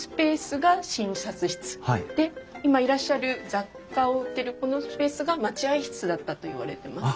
で今いらっしゃる雑貨を売ってるこのスペースが待合室だったといわれてます。